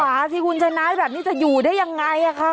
ว่าสิคุณชายน้ายแบบนี้จะอยู่ได้ยังไงอะคะ